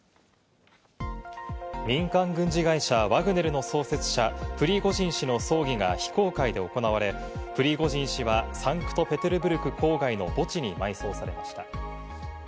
民間軍事会社ワグネルの創設者・プリゴジン氏の葬儀が非公開で行われ、プリゴジン氏はサンクトペテルブルク郊外の墓地に埋葬されました。